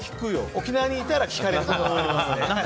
沖縄にいたら聞かれると思いますね。